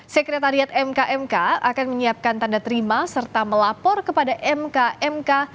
sekretariat mkmk akan menyiapkan tanda terima serta melapor kepada mkmk